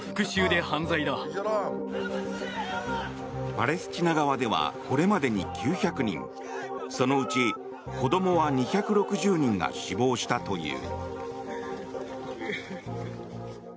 パレスチナ側ではこれまでに９００人そのうち子どもは２６０人が死亡したという。